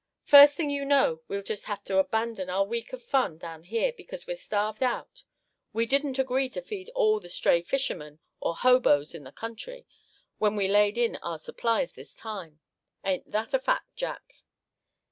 "First thing you know we'll just have to abandon our week of fun down here because we're starved out. We didn't agree to feed all the stray fishermen, or hoboes in the country, when we laid in our supplies this time; ain't that a fact, Jack?"